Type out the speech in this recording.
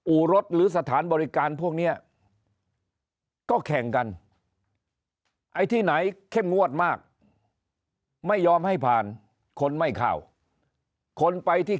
อู่รถหรือสถานบริการพวกนี้ก็แข่งกันไอ้ที่ไหนเข้มงวดมากไม่ยอมให้ผ่านคนไม่เข้าคนไปที่